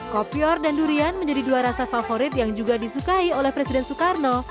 kopior dan durian menjadi dua rasa favorit yang juga disukai oleh presiden soekarno